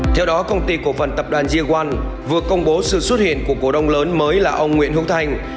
theo đó công ty cổ phần tập đoàn gia quang vừa công bố sự xuất hiện của cổ đông lớn mới là ông nguyễn hương thành